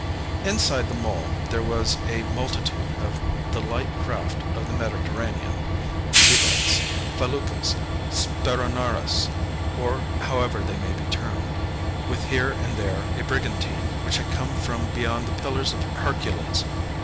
Inside the mole there was a multitude of the light craft of the Mediterranean, xebecs, feluccas, speronaras, or however they may be termed, with here and there a brigantine which had come from beyond the Pillars of Hercules.